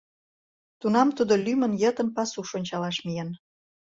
Тунам тудо лӱмын йытын пасуш ончалаш миен.